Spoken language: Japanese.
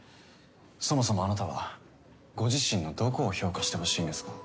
そもそもあなたはご自身のどこを評価してほしいんですか？